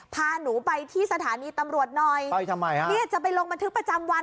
พาหนูไปที่สถานีตำรวจหน่อยไปทำไมฮะเนี่ยจะไปลงบันทึกประจำวัน